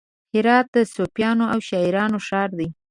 هرات د صوفیانو او شاعرانو ښار دی.